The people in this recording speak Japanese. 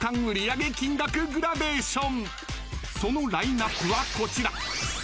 ［そのラインアップはこちら］